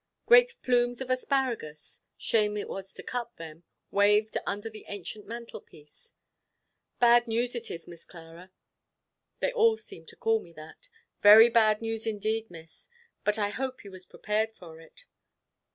Great plumes of asparagus shame it was to cut them waved under the ancient mantel piece. "Bad news it is, Miss Clara" they all seemed to call me that "very bad news indeed, Miss. But I hope you was prepared for it."